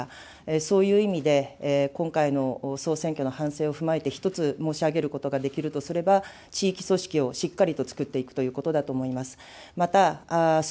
そういう意味で、今回の総選挙の反省を踏まえて一つ、申し上げることができるとすれば、地域組織をしっかりとつくっていくということだと思います。